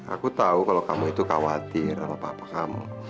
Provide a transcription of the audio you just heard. aku tahu kalau kamu itu khawatir sama papa kamu